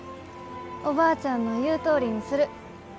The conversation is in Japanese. おばあちゃんの言うとおりにする。